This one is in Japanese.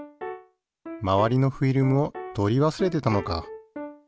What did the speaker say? まわりのフィルムを取り忘れてたのか。